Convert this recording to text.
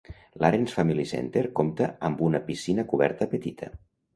L'Ahrens Family Center compta amb una piscina coberta petita.